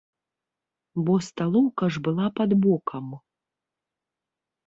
Бо сталоўка ж была пад бокам.